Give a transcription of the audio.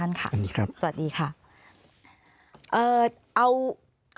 อันดับสุดท้ายแก่มือ